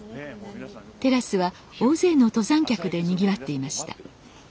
テラスは大勢の登山客でにぎわっていました